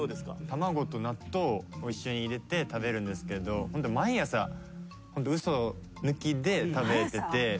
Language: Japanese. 卵と納豆を一緒に入れて食べるんですけど毎朝嘘抜きで食べてて。